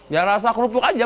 ya rasa kerupuk aja